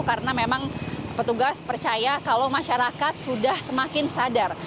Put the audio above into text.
karena memang petugas percaya kalau masyarakat sudah semakin sadar